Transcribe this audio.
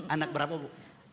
anak berapa bu